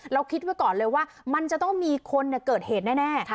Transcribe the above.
คิดไว้ก่อนเลยว่ามันจะต้องมีคนเกิดเหตุแน่